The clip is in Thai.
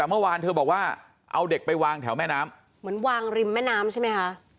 แต่เมื่อวานเธอบอกว่าเอาเด็กไปวางแถวแม่น้ำเหมือนวางริมแม่น้ำใช่ไหมคะ